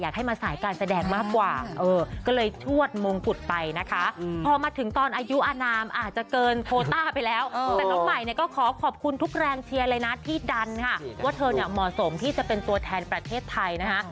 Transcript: ดันว่าเธอเหมาะสมที่จะเป็นตัวแทนประเทศไทยนะคะ